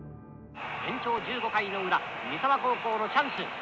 延長１５回の裏三沢高校のチャンス。